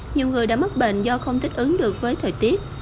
nhiều người đã mất bệnh do không thích ứng được với thời tiết